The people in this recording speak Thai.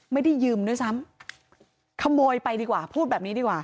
ไม่ได้ยืมด้วยซ้ำขโมยไปดีกว่าพูดแบบนี้ดีกว่า